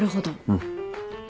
うん。